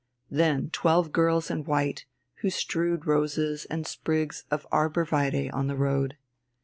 Then twelve girls in white, who strewed roses and sprigs of arbor vitæ on the road.